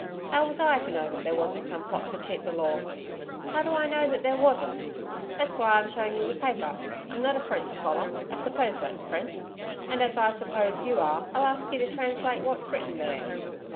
How was I to know that there wasn't some plot to cheat the law? How do I know that there wasn't? That's why I'm showing you the paper. I'm not a French scholar I suppose that's French and as I suppose you are, I'll ask you to translate what's written there.'